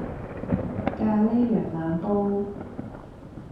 咖喱羊腩煲